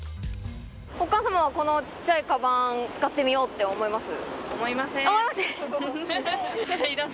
お母様は、このちっちゃいかばんを使ってみようって思います？